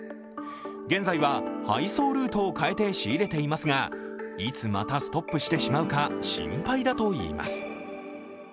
現在は配送ルートを変えて仕入れていますがいつまたストップしてしまうか、心配だといいます。